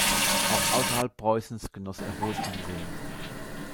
Auch außerhalb Preußens genoss er ein hohes Ansehen.